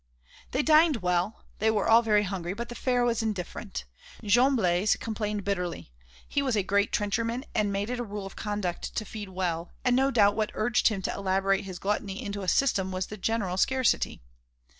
They dined well, they were all very hungry; but the fare was indifferent. Jean Blaise complained bitterly; he was a great trencherman and made it a rule of conduct to feed well; and no doubt what urged him to elaborate his gluttony into a system was the general scarcity.